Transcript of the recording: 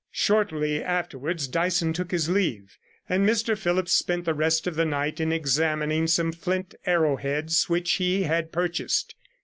Shortly afterwards Dyson took his leave, and Mr Phillipps spent the rest of the night in examining some flint arrow heads which he had purchased.